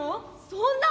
「そんな！